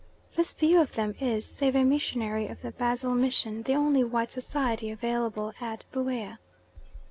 This view of them is, save a missionary of the Basel mission, the only white society available at Buea.